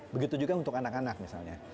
begitu juga untuk anak anak misalnya